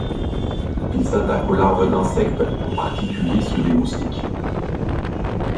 Ils s'attaquent aux larves d'insectes, en particulier ceux des moustiques.